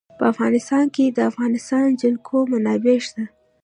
په افغانستان کې د د افغانستان جلکو منابع شته.